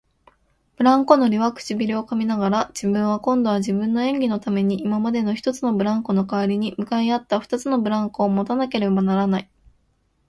ブランコ乗りは唇をかみながら、自分は今度は自分の演技のために今までの一つのブランコのかわりに向かい合った二つのブランコをもたなければならない、